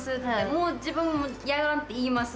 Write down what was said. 「もう自分、やらん」って言います。